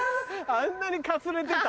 あんなにかすれてた？